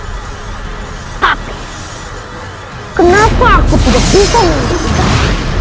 tapi kenapa aku tidak bisa mengembalikan